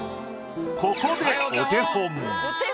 ここでお手本。